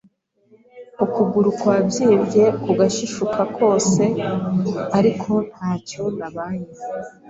ukuguru kwabyimbye kugashishuka kose ariko ntacyo nabaye.